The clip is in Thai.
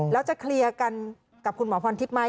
แล้วจะเคลียร์กันกับคุณหมอพรทิพย์ไหม